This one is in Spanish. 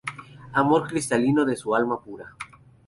Amor cristalino de su alma pura.